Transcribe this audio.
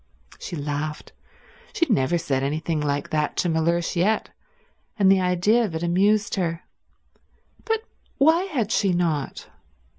She laughed. She had never said anything like that to Mellersh yet, and the idea of it amused her. But why had she not?